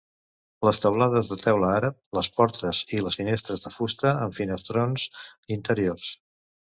Les teulades de teula àrab, les portes i les finestres de fusta amb finestrons interiors.